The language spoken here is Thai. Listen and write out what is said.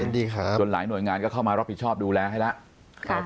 ดีครับจนหลายหน่วยงานก็เข้ามารับผิดชอบดูแลให้แล้วครับ